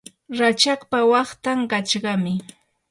rachakpa waqtan qachqami.